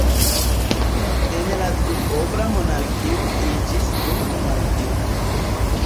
El la duobla monarkio iĝis unu monarkio.